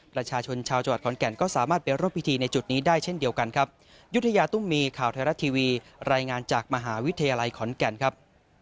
ประชาชนชาวจวัดขอนแก่นก็สามารถเป็นร่วมพิธีในจุดนี้ได้เช่นเดียวกันครับ